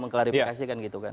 mengklarifikasikan gitu kan